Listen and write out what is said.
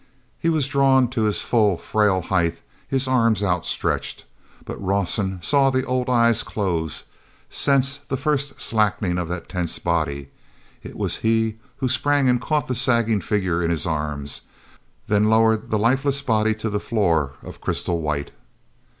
He was drawn to his full frail height, his arms outstretched. But Rawson saw the old eyes close, sensed the first slackening of that tense body; it was he who sprang and caught the sagging figure in his arms, then lowered the lifeless body to the floor of crystal white.